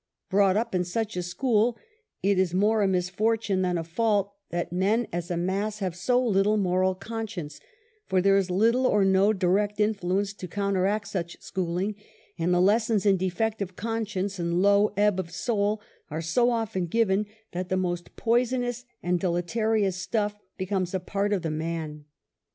Brought up in such a school it is more a misfortune than a fault that men as a mass have so little moral conscience, for there is little or no direct influence to counteract such schooling, and the lessons in defective conscience and low ebb of soul are so often given, that the most poisonous and deleterious stuff becomes a part of the man.